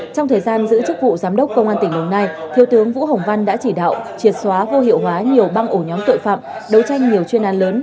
trong thời gian giữ chức vụ giám đốc công an tỉnh đồng nai thiếu tướng vũ hồng văn đã chỉ đạo triệt xóa vô hiệu hóa nhiều băng ổ nhóm tội phạm đấu tranh nhiều chuyên an lớn